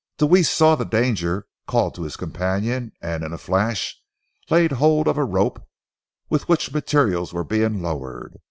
Deweese saw the danger, called to his companion, and, in a flash laid hold of a rope with which materials were being lowered.